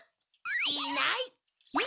いない！